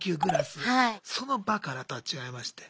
そのバカラとは違いまして。